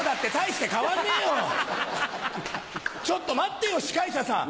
ちょっと待ってよ司会者さん